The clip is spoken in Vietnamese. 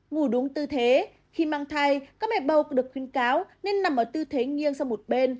ngủ đúng tư thế khi mang thai các mẹ bầu cũng được khuyến cáo nên nằm ở tư thế nghiêng sang một bên